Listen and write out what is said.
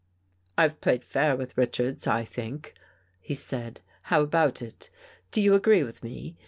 " I've played fair with Richards, I think," he said. "How about it? Do you agree with me?